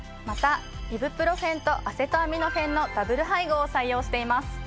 またイブプロフェンとアセトアミノフェンのダブル配合を採用しています！